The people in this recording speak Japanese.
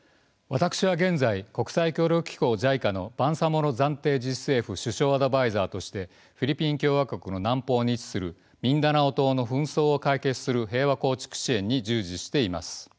私は現在国際協力機構ＪＩＣＡのバンサモロ暫定自治政府首相アドバイザーとしてフィリピン共和国の南方に位置するミンダナオ島の紛争を解決する平和構築支援に従事しています。